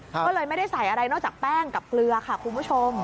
ก็เลยไม่ได้ใส่อะไรนอกจากแป้งกับเกลือค่ะคุณผู้ชม